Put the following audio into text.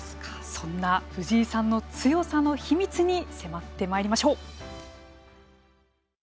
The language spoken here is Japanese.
そんな藤井さんの強さの秘密に迫ってまいりましょう。